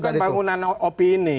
nah itu kan pengunan opini